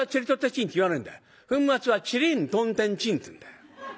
粉末はちりんとんてんちんって言うんだよ。